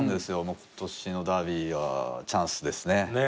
今年のダービーはチャンスですね。